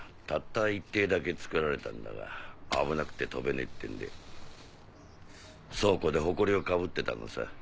たった１艇だけ作られたんだが危なくて飛べねえってんで倉庫でホコリをかぶってたのさ。